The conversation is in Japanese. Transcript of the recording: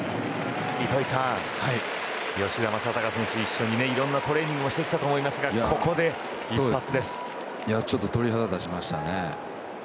糸井さん、吉田正尚選手は一緒にいろんなトレーニングをしてきたと思いますが鳥肌立ちましたね。